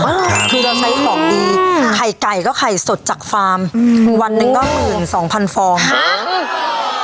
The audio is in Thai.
อ่าคือเราใช้ของดีอืมไข่ไก่ก็ไข่สดจากฟาร์มอืมวันหนึ่งก็หมื่นสองพันฟองค่ะ